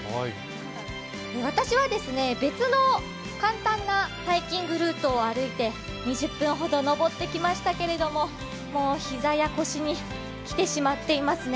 私は別の簡単なハイキングルートを歩いて２０分ほど登ってきましたけども、もう膝や腰にきてしまっていますね。